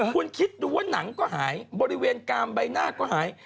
คุณคิดดูว่าหนังก็หายบริเวณกามใบหน้าก็หาย